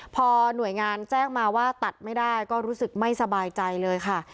พอหน่วยงานแจ้งมาว่าตัดไม่ได้ก็รู้สึกไม่สบายใจเลยค่ะ